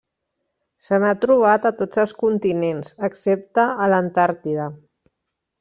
Se n'ha trobat a tots els continents excepte a l'Antàrtida.